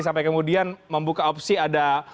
sampai kemudian membuka opsi ada